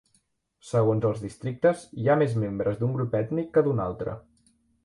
Segons els districtes, hi ha més membres d'un grup ètnic que d'un altre.